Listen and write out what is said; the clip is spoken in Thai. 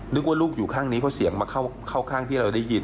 นึกว่าลูกอยู่ข้างนี้เพราะเสียงมาเข้าข้างที่เราได้ยิน